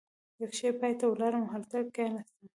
د کښتۍ پای ته ولاړم او هلته کېناستم.